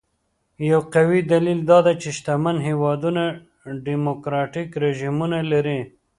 یو قوي دلیل دا دی چې شتمن هېوادونه ډیموکراټیک رژیمونه لري.